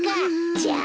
じゃあ。